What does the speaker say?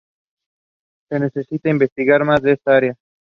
Se necesita investigar más en esta área.